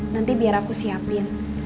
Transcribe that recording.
nanti biar aku siapin